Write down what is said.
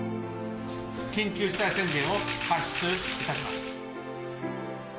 緊急事態宣言を発出いたします。